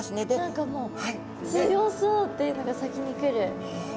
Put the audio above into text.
何かもう強そうっていうのが先に来る。